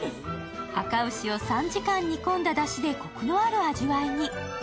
あか牛を３時間煮込んだだしでこくのある味わいに。